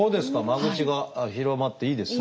間口が広がっていいですね